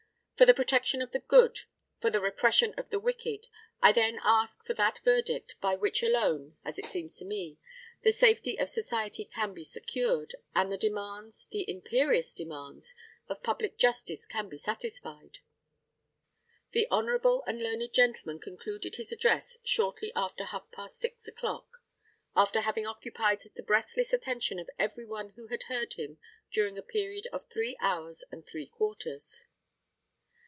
For the protection of the good, for the repression of the wicked, I then ask for that verdict by which alone as it seems to me the safety of society can be secured, and the demands the imperious demands of public justice can be satisfied. (The hon. and learned gentleman concluded his address shortly after half past six o'clock, after having occupied the breathless attention of every one who had heard him during a period of three hours and three quarters).